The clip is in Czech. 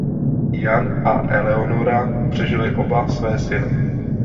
Jan a Eleonora přežili oba své syny.